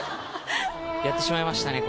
やってしまいましたね